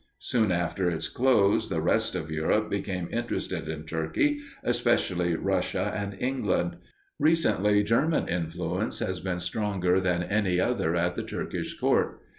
Soon after its close the rest of Europe became interested in Turkey, especially Russia and England. Recently, German influence has been stronger than any other at the Turkish court.